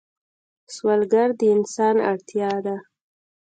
سوالګر د انسان اړتیا ده